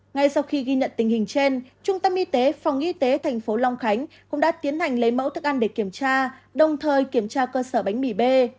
ngay sau khi ghi nhận tình hình trên trung tâm y tế phòng y tế tp long khánh cũng đã tiến hành lấy mẫu thức ăn để kiểm tra đồng thời kiểm tra cơ sở bánh mì b